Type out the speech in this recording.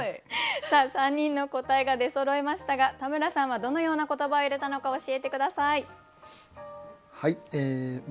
さあ３人の答えが出そろいましたが田村さんはどのような言葉を入れたのか教えて下さい。